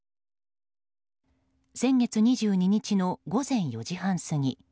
先月２２日の午前４時半過ぎ